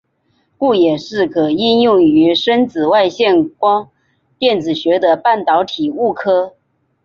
故也是可应用于深紫外线光电子学的半导体物料。